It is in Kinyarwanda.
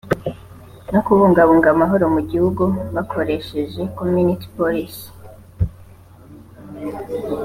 no kubungabunga amahoro mu gihugu bakoresheje Community Policing